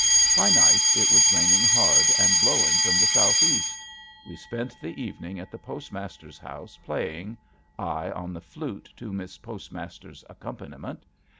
By night it was raining hard and blowing from the southeast. We spent the evening at the postmaster's house, playing, I, on the flute to Miss Postmaster's accompaniment.